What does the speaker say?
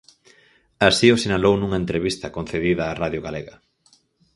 Así o sinalou nunha entrevista concedida á Radio Galega.